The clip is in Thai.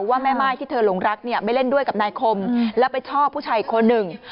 ว่าแม่ม่ายที่เธอหลงรักเนี่ยไปเล่นด้วยกับนายคมแล้วไปชอบผู้ชายอีกคนหนึ่ง